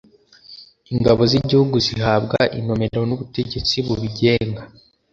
Ingabo z'Igihugu zihabwa inomero n'ubutegetsi bubigenga